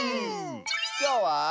きょうは。